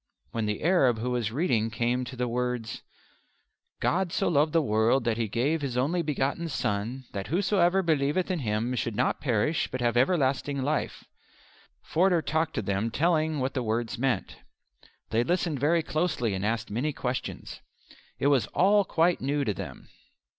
When the Arab who was reading came to the words: "God so loved the world that He gave His only begotten Son, that whosoever believeth in Him should not perish, but have everlasting life," Forder talked to them telling what the words meant. They listened very closely and asked many questions. It was all quite new to them.